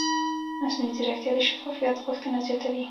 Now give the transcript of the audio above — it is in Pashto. مصنوعي ځیرکتیا د شفافیت غوښتنه زیاتوي.